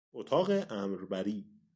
اتاق امربری